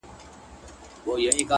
• پرون مازیګر ناوخته ,